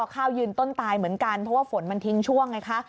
ข้าวยืนต้นตายเหมือนกันเพราะว่าฝนมันทิ้งช่วงไงคะ